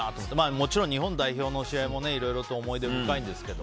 もちろん日本代表の試合もいろいろ思い出深いんですけど。